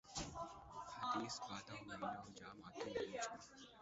حدیث بادہ و مینا و جام آتی نہیں مجھ کو